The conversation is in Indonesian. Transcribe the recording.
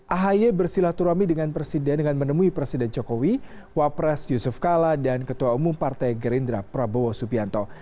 ahy bersilaturahmi dengan presiden dengan menemui presiden jokowi wapres yusuf kala dan ketua umum partai gerindra prabowo subianto